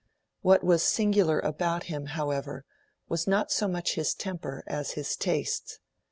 What was singular about him, however, was not so much his temper as his tastes.